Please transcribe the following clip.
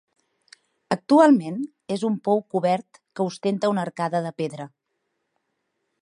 Actualment és un pou cobert que ostenta una arcada de pedra.